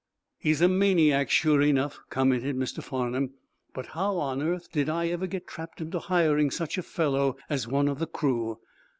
"He's a maniac, sure enough," commented Mr. Farnum. "But how on earth did I ever get trapped into hiring such a fellow as one of the crew?